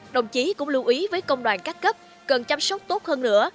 đồng chí cũng lưu ý với công đoàn các cấp cần chăm sóc tốt hơn nữa